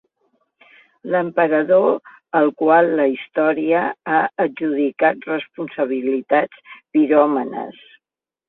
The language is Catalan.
L'emperador al qual la història ha adjudicat responsabilitats piròmanes.